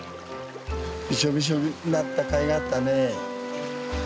びしょびしょになったかいがあったね。